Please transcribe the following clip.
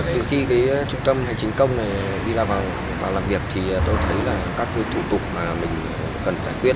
từ khi trung tâm hành chính công đi vào làm việc tôi thấy các thủ tục mà mình cần giải quyết